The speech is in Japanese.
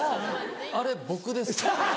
あれ僕です。